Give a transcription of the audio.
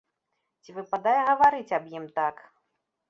Ці выпадае гаварыць аб ім так?